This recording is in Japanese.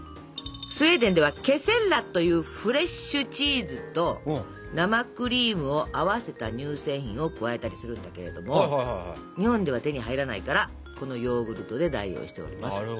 スウェーデンではケセッラというフレッシュチーズと生クリームを合わせた乳製品を加えたりするんだけれども日本では手に入らないからこのヨーグルトで代用しております。